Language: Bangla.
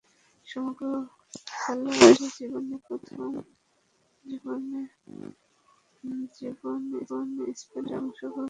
সমগ্র খেলোয়াড়ী জীবনে পনের টেস্টে অংশগ্রহণ করেন তিনি।